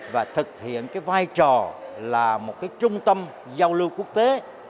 và thực hiện vai trò là một trung tâm giao lưu quốc tế